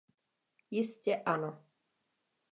Jistě ano.